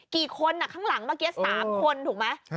กี่คนข้างหลังเมื่อกี้๓คนถูกไหม